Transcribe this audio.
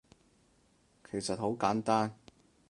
其實好簡單